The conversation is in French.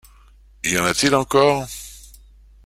Y en a-t-il encore ?